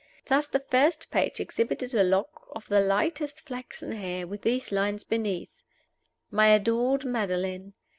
Thus the first page exhibited a lock of the lightest flaxen hair, with these lines beneath: "My adored Madeline.